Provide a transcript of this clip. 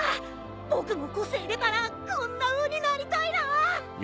僕も個性出たらこんなふうになりたいな！